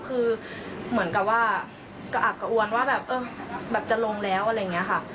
คือเหมือนกับว่ากระอักกระอวนว่าแบบเออแบบจะลงแล้วอะไรอย่างนี้ค่ะ